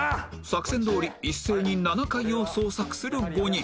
作戦どおり一斉に７階を捜索する５人